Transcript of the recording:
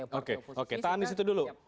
partai oposisi oke oke tahan di situ dulu